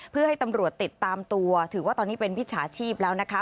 เพื่อให้ตำรวจติดตามตัวถือว่าตอนนี้เป็นมิจฉาชีพแล้วนะคะ